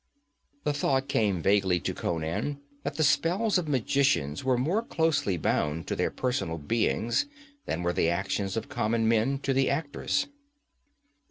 The thought came vaguely to Conan that the spells of magicians were more closely bound to their personal beings than were the actions of common men to the actors.